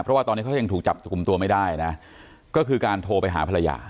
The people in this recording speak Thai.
เพราะว่าตอนนี้เขายังถูกจับกลุ่มตัวไม่ได้นะก็คือการโทรไปหาภรรยา